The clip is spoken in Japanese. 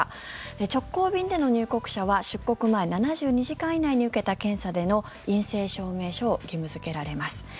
直行便での入国者は出国前７２時間以内に受けた検査での陰性証明書を義務付けられます。